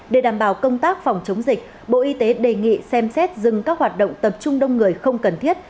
để đảm bảo công tác phòng chống dịch bộ y tế đề nghị xem xét dừng các hoạt động tập trung đông người không cần thiết